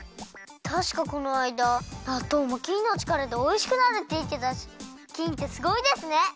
たしかこのあいだなっとうもきんのちからでおいしくなるっていってたしきんってすごいですね！